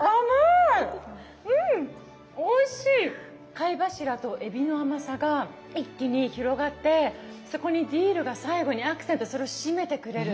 貝柱とえびの甘さが一気に広がってそこにディルが最後にアクセントそれを締めてくれる。